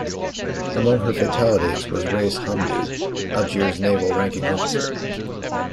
Among her fatalities was Rais Hamidu, Algiers' ranking naval officer.